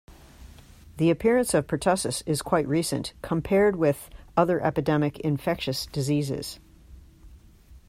The appearance of pertussis is quite recent, compared with other epidemic infectious diseases.